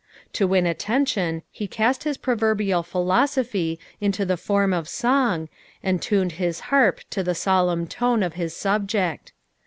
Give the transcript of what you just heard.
To win attention he cast his proverbial philosophy into the form of song, and tuned his harp to the solemn tone of his subject.